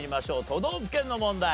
都道府県の問題。